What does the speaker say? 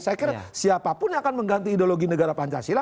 saya kira siapapun yang akan mengganti ideologi negara pancasila